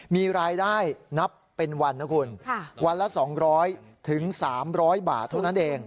มีรายได้นับเป็นวันนะคุณวันละ๒๐๐๓๐๐บาทเท่านั้นเอง